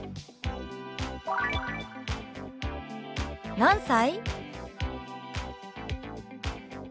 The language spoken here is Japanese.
「何歳？」。